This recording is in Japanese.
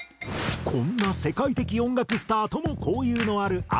こんな世界的音楽スターとも交友のあるＡＩ。